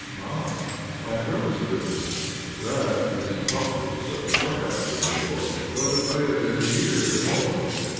"Ah! And where was it written?" "That it is impossible to say. Perhaps in New York but it may have been here in Mona.